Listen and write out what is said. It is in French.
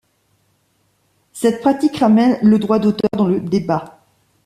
Cette pratique ramène le droit d’auteur dans le débat.